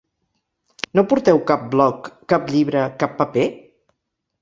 No porteu cap bloc, cap llibre, cap paper?